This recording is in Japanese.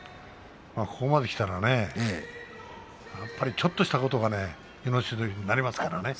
ここまできたらやっぱりちょっとしたことが命取りになりますからね。